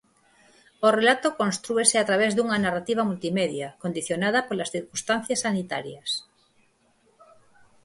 O relato constrúese a través dunha narrativa multimedia, condicionada polas circunstancias sanitarias.